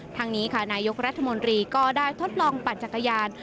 ทางนี้ค่ะนายกรัฐมนตรีก็ได้ทดลองปั่นจักรยาน